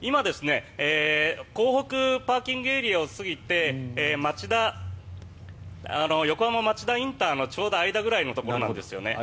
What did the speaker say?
今、港北ＰＡを過ぎて横浜町田ＩＣのちょうど間ぐらいのところですね